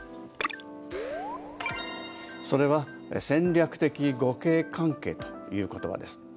それは戦略的互恵関係という言葉です。